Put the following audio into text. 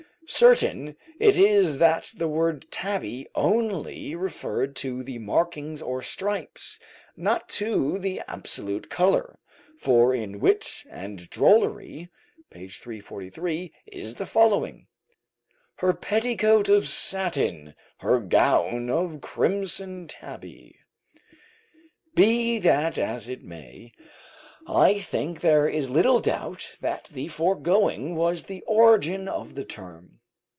Certain it is that the word tabby only referred to the marking or stripes, not to the absolute colour, for in "Wit and Drollery" (1682), p. 343, is the following: "Her petticoat of satin, Her gown of crimson tabby." Be that as it may, I think there is little doubt that the foregoing was the origin of the term.